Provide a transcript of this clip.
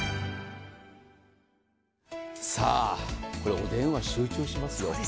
お電話、集中しますよ。